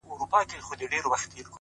ز ماپر حا ل باندي ژړا مه كوه!